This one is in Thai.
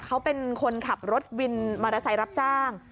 เขาเป็นคนขับรถวินมอเตอร์ไซค์รับจ้าง